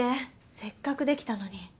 せっかくできたのに。